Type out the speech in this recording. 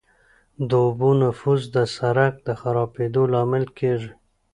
د اوبو نفوذ د سرک د خرابېدو لامل کیږي